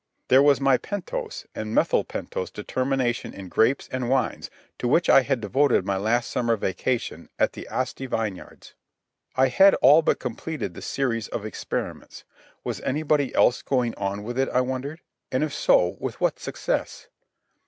There was my pentose and methyl pentose determination in grapes and wines to which I had devoted my last summer vacation at the Asti Vineyards. I had all but completed the series of experiments. Was anybody else going on with it, I wondered; and if so, with what success?